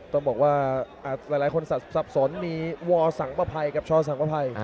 ต้องบอกว่าหลายคนสับสนมีวอสังประภัยกับชสังกภัย